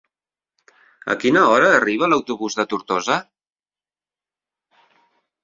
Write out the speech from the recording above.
A quina hora arriba l'autobús de Tortosa?